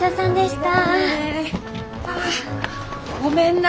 ああごめんな。